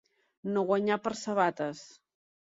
No guanyar per sabates.